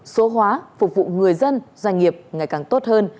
số hóa phục vụ người dân doanh nghiệp ngày càng tốt hơn